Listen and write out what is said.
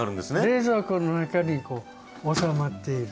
冷蔵庫の中にこうおさまっている。